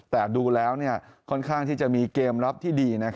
แต่ดูแล้วค่อนข้างที่จะมีเกมรับที่ดี